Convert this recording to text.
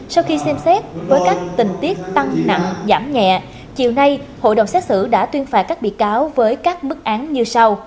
sau khi xem xét với các tình tiết tăng nặng giảm nhẹ chiều nay hội đồng xét xử đã tuyên phạt các bị cáo với các bức án như sau